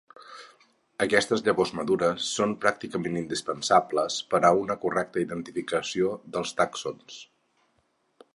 Aquestes llavors madures són pràcticament indispensables per a una correcta identificació dels tàxons.